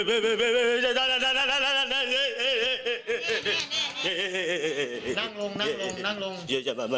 เอาชีวิตไปแล้ว